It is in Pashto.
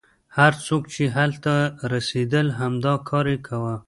هغه څوک چې هلته رسېدل همدا کار یې کاوه.